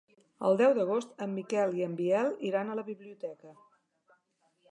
El deu d'agost en Miquel i en Biel iran a la biblioteca.